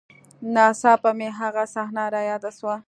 نا څاپه مې هغه صحنه راياده سوه.